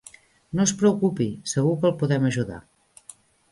No es preocupi, segur que el podem ajudar.